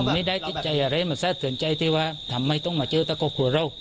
ไม่ได้ใจอะไรมันซะสือนใจถ้าทำไมต้องมาเจอเขาก็อาจควรโรค